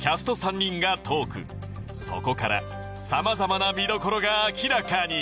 そこから様々な見どころが明らかに！